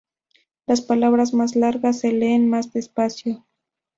Las palabras más largas se leen más despacio.